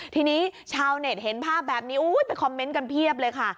ทีนี้ชาวเน็ตเห็นภาพแบบนี้ไปคอมเมนต์กันเพียบเลยค่ะ